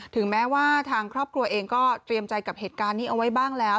ถึงแม้ว่าทางครอบครัวเองก็เตรียมใจกับเหตุการณ์นี้เอาไว้บ้างแล้ว